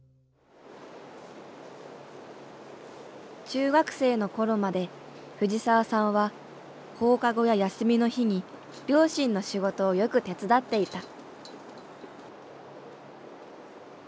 中学生の頃まで藤澤さんは放課後や休みの日に両親の仕事をよく手伝っていた。